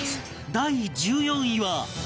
第１４位は